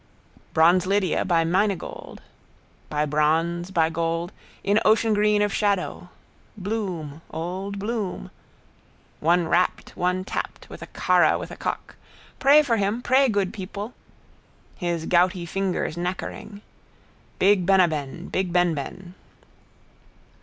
Bronzelydia by Minagold. By bronze, by gold, in oceangreen of shadow. Bloom. Old Bloom. One rapped, one tapped, with a carra, with a cock. Pray for him! Pray, good people! His gouty fingers nakkering. Big Benaben. Big Benben.